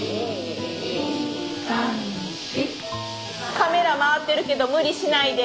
カメラ回ってるけど無理しないで。